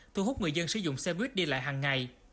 thu hút người dân sử dụng xe buýt đi lại hàng ngày